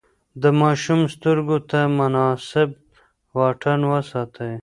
د ماشوم سترګو ته مناسب واټن وساتئ.